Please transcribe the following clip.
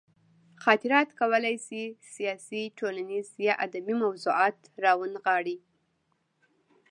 خاطرات کولی شي سیاسي، ټولنیز یا ادبي موضوعات راونغاړي.